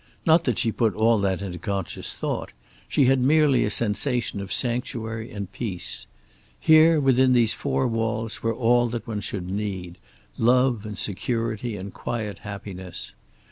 Not that she put all that into conscious thought; she had merely a sensation of sanctuary and peace. Here, within these four walls, were all that one should need, love and security and quiet happiness.